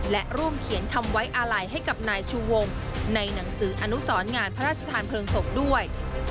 และร่วมเขียนคำไว้อาลัยให้กับนายชูวงในหนังสืออนุสรงานพระราชทานเพลิงศพด้วย